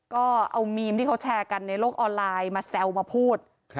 ก็เอามีมที่เขาแชร์กันในโลกออนไลน์มาแซวมาพูด